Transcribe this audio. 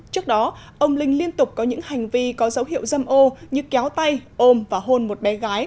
trước đó ông linh liên tục có những hành vi có dấu hiệu dâm ô như kéo tay ôm và hôn một bé gái